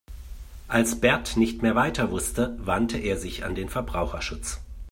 Als Bert nicht mehr weiter wusste, wandte er sich an den Verbraucherschutz.